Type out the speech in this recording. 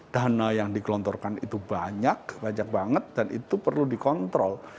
dana yang digelontorkan itu banyak banyak banget dan itu perlu dikontrol